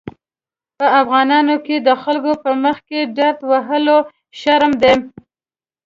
په افغانانو کې د خلکو په مخکې ډرت وهل لوی شرم دی.